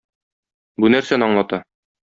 Бу нәрсәне аңлата?